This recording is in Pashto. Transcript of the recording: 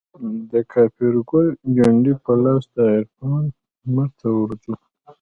دکاپرګل جنډې په لاس دعرفان لمرته ورځو